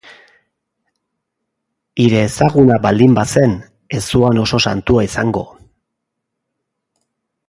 Hire ezaguna baldin bazen, ez zuan oso santua izango.